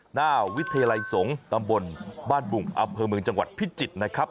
หน้าวิทยาลัยสงฆ์ตำบลบ้านบุงอำเภอเมืองจังหวัดพิจิตรนะครับ